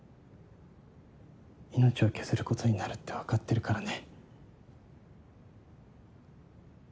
命を削ることになるって分かってるからね。